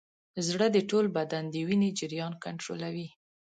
زړه د ټول بدن د وینې جریان کنټرولوي.